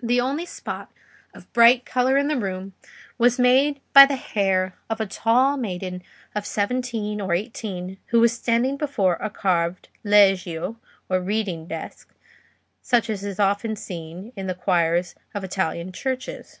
The only spot of bright colour in the room was made by the hair of a tall maiden of seventeen or eighteen, who was standing before a carved leggio, or reading desk, such as is often seen in the choirs of Italian churches.